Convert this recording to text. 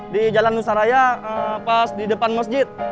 di jalan nusaraya pas di depan masjid